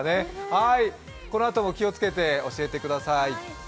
このあとも気をつけて教えてください。